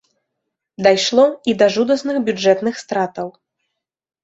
Дайшло і да жудасных бюджэтных стратаў.